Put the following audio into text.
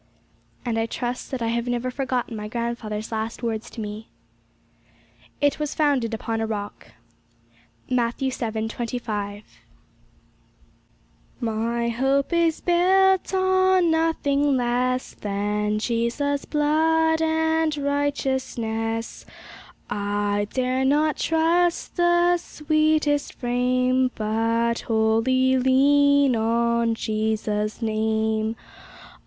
And I trust that I have never forgotten my grandfather's last words to me. 'It was founded upon a rock.' MATT. VII. 25 My hope is built on nothing less Than Jesu's blood and righteousness; I dare not trust the sweetest frame, But wholly lean on Jesu's name.